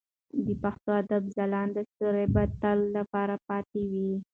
د پښتو ادب ځلانده ستوري به د تل لپاره پاتې وي.